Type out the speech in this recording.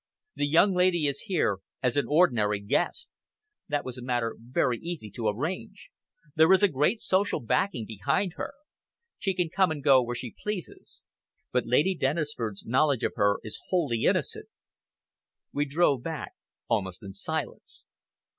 The young lady is here as an ordinary guest! That was a matter very easy to arrange. There is a great social backing behind her. She can come and go where she pleases. But Lady Dennisford's knowledge of her is wholly innocent." We drove back almost in silence.